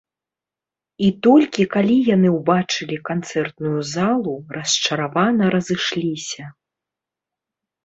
І толькі калі яны ўбачылі канцэртную залу, расчаравана разышліся.